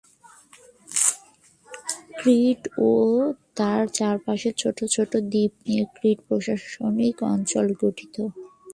ক্রিট ও তার চারপাশের ছোট ছোট দ্বীপ নিয়ে ক্রিট প্রশাসনিক অঞ্চল গঠিত।